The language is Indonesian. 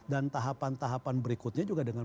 dan tahapan tahapan berikutnya juga dengan